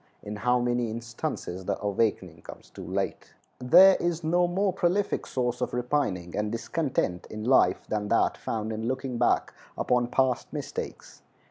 in how many instances the awakening comes too late! There is no more prolific source of repining and discontent in life than that found in looking back upon past mistakes.